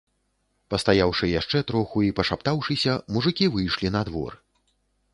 Пастаяўшы яшчэ троху і пашаптаўшыся, мужыкі выйшлі на двор.